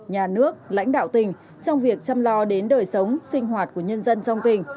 nhà nước lãnh đạo tỉnh trong việc chăm lo đến đời sống sinh hoạt của nhân dân trong tỉnh